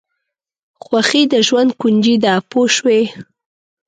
خوښي د ژوند کونجي ده پوه شوې!.